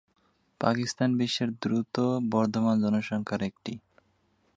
পাকিস্তান বিশ্বের দ্রুত বর্ধমান জনসংখ্যার একটি।